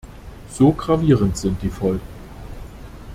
So gravierend sind die Folgen.